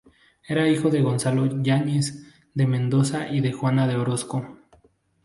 Era hijo de Gonzalo Yáñez de Mendoza y de Juana de Orozco.